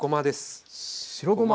白ごま。